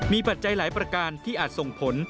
มีปัจจัยหลายประการที่อาจส่งผล